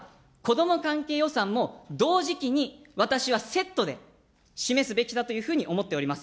では、子ども関係予算も同時期に私はセットで、示すべきだというふうに思っております。